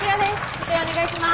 こちらお願いします。